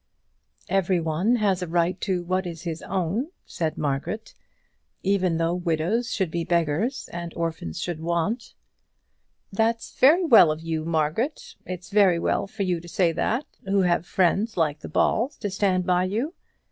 "Every one has a right to what is his own," said Margaret. "Even though widows should be beggars, and orphans should want." "That's very well of you, Margaret. It's very well for you to say that, who have friends like the Balls to stand by you.